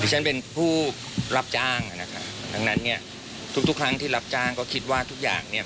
ฉันเป็นผู้รับจ้างอ่ะนะคะดังนั้นเนี่ยทุกทุกครั้งที่รับจ้างก็คิดว่าทุกอย่างเนี่ย